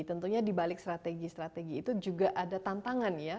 tentunya dibalik strategi strategi itu juga ada tantangan ya